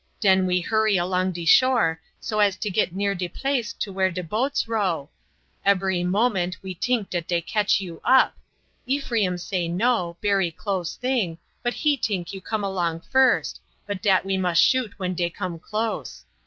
Den we hurry along de shore, so as to get near de place to where de boats row; ebery moment me tink dat dey catch you up. Ephraim say no, bery close thing, but he tink you come along first, but dat we must shoot when dey come close.